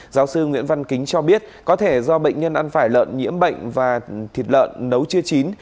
giáo sư nguyễn văn kính cho biết có thể do bệnh nhân ăn phải lợn nhiễm bệnh và thịt lợn nấu chưa chín